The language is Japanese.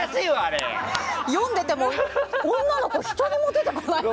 読んでても女の子１人も出てこない。